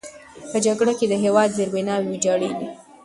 په جګړه کې د هېواد زیربناوې ویجاړېږي.